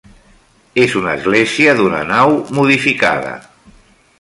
És una església d'una nau, modificada.